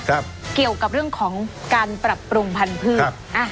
ครับเกี่ยวกับเรื่องของการปรับปรุงพันธุ์พืชครับอ่ะ